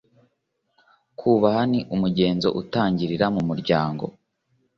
Kubaha ni umugenzo utangirira mu muryango